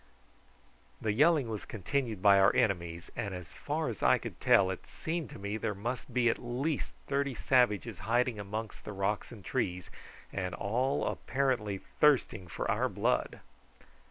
The yelling was continued by our enemies, and as far as I could tell it seemed to me that there must be at least thirty savages hiding amongst the rocks and trees, and all apparently thirsting for our blood.